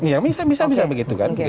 ya bisa bisa begitu kan